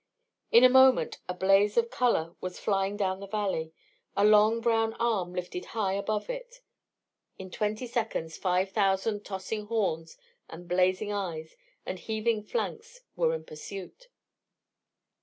In a moment a blaze of colour was flying down the valley, a long brown arm lifted high above it. In twenty seconds five thousand tossing horns and blazing eyes and heaving flanks were in pursuit.